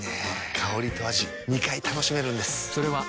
香りと味２回楽しめるんです。